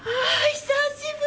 久しぶり！